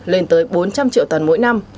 lên tới bốn trăm linh triệu tần mỗi năm